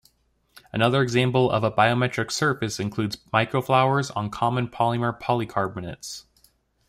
Another example of a biomimetic surface includes micro-flowers on common polymer polycarbonates.